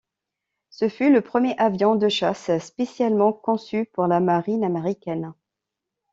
Ce fut le premier avion de chasse spécialement conçu pour la marine américaine.